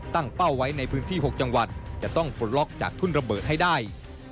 เป้าไว้ในพื้นที่๖จังหวัดจะต้องปลดล็อกจากทุ่นระเบิดให้ได้